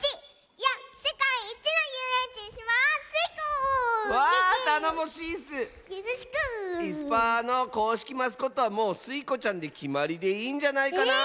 よろしく！いすパーのこうしきマスコットはもうスイ子ちゃんできまりでいいんじゃないかなあ。